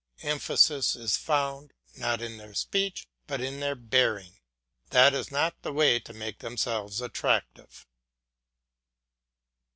Emphasis is found, not in their speech, but in their bearing. That is not the way to make themselves attractive.